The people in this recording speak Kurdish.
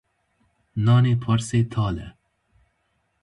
Nanê parsê tal e.